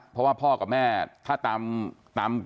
เพราะว่าพ่อกับแม่ตามที่ก็แจ้งมา